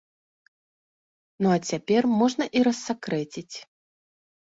Ну а цяпер можна і рассакрэціць.